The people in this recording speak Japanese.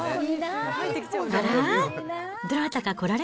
あら？